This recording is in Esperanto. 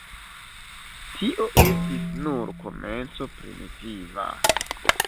Tio estis nur komenco primitiva.